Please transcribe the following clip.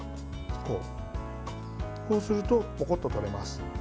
そうするとポコッと取れます。